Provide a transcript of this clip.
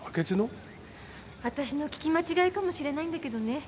私の聞き間違いかもしれないんだけどね。